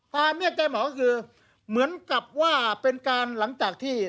เนี่ยใจหมอก็คือเหมือนกับว่าเป็นการหลังจากที่